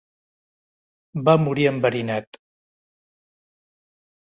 Va morir enverinat.